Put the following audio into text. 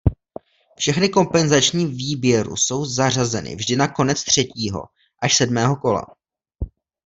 Všechny kompenzační výběru jsou zařazeny vždy na konec třetího až sedmého kola.